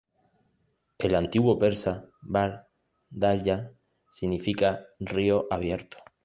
El antiguo persa, "var-darya" significa "río abierto".